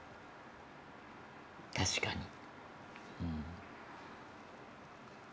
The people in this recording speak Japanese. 確かに。